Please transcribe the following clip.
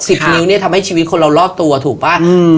นิ้วเนี้ยทำให้ชีวิตคนเรารอบตัวถูกป่ะอืม